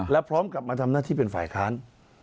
และพร้อมกลับมาทำหน้าที่เป็นฝ่ายค้าน